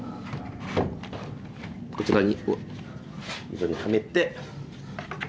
こちらにはめて。